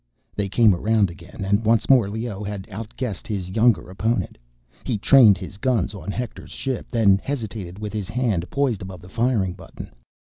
They came around again, and once more Leoh had outguessed his younger opponent. He trained his guns on Hector's ship, then hesitated with his hand poised above the firing button.